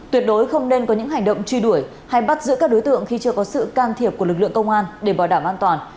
tuyệt đối không nên có những hành động truy đuổi hay bắt giữ các đối tượng khi chưa có sự can thiệp của lực lượng công an để bảo đảm an toàn